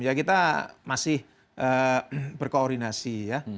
ya kita masih berkoordinasi